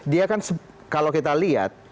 dia kan kalau kita lihat